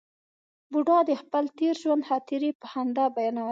بوډا د خپل تېر ژوند خاطرې په خندا بیانولې.